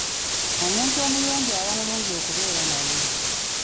Omuntu omuyonjo aba mulungi okubeera naye.